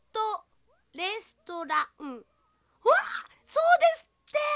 そうですって！